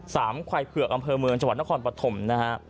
ควายเผือกอำเภอเมืองจังหวัดนครปฐมนะฮะ